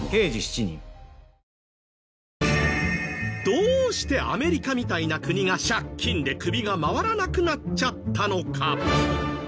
どうしてアメリカみたいな国が借金で首が回らなくなっちゃったのか？